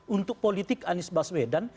untuk politik anies baswedan